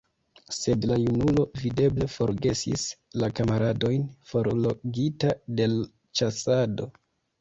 Sed la junulo, videble, forgesis la kamaradojn, forlogita de l' ĉasado.